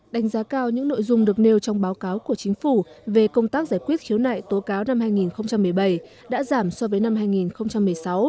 đánh giá cao những nội dung được nêu trong báo cáo của chính phủ về công tác giải quyết khiếu nại tố cáo năm hai nghìn một mươi bảy đã giảm so với năm hai nghìn một mươi sáu